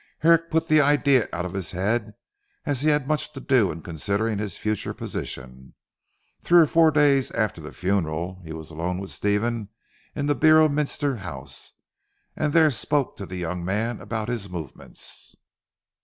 Herrick put the idea out of his head, as he had much to do in considering his future position. Three or four days after the funeral he was alone with Stephen in the Beorminster house, and there spoke to the young man about his movements.